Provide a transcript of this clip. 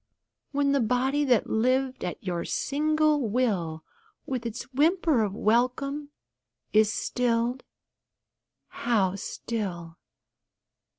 When the body that lived at your single will, With its whimper of welcome, is stilled (how still!)